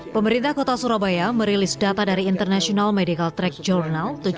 pemerintah kota surabaya merilis data dari international medical track journal